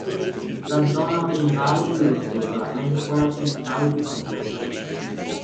La zona orientale è più rocciosa, mentre quella occidentale più sabbiosa.